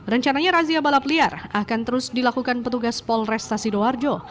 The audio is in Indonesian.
rencananya razia balap liar akan terus dilakukan petugas polresta sidoarjo